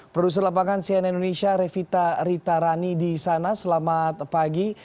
produser lapangan cnn indonesia revita ritarani di sana selamat pagi